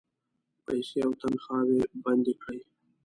پیسې او تنخواوې بندي کړې.